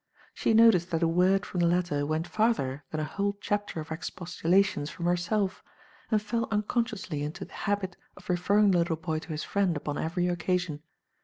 She noticed that a word from the latter went farther than a whole chapter of expostulations from herself, and fell unconsciously into the habit of referring the little boy to his friend upon every occasion.